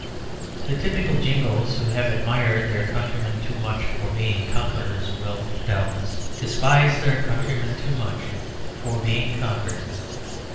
The typical Jingoes who have admired their countrymen too much for being conquerors will, doubtless, despise their countrymen too much for being conquered.